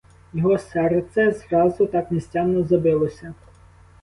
Його серце зразу так нестямно забилося.